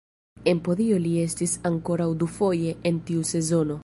En podio li estis ankoraŭ dufoje en tiu sezono.